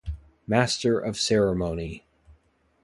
Master of ceremony.